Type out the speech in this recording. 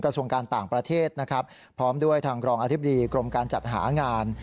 ส่วนการต่างประเทศนะครับพร้อมด้วยทางรองอธิบดีกรมการจัดหางาน